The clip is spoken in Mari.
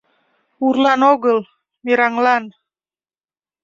Урлан огыл — мераҥлан.